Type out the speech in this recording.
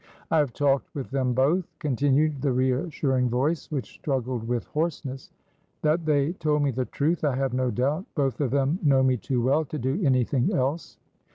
"I have talked with them both," continued the reassuring voice, which struggled with hoarseness. "That they told me the truth, I have no doubt; both of them know me too well to do anything else.